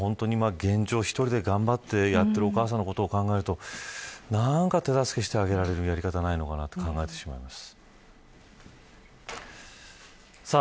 現状、一人で頑張ってやっているお母さんのことを考えると何か手助けしてあげられるやり方がないかと考えてしまいます。